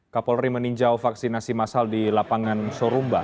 kapolri meninjau vaksinasi masal di lapangan sorumba